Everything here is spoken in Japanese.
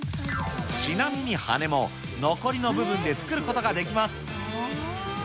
ちなみに羽根も残りの部分で作ることができます。